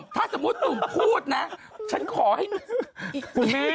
ถ้าสมมุติหนูพูดนะฉันขอให้